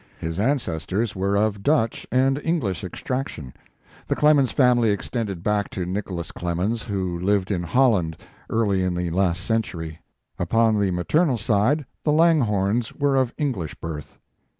His ancestors were of Dutch and English extraction. The Clemens family extended back to Nicholas Clemens, who lived in Holland, early in the last century. Upon the maternal side, the Langhornes were of English birth.